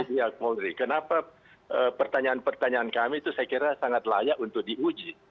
pihak polri kenapa pertanyaan pertanyaan kami itu saya kira sangat layak untuk diuji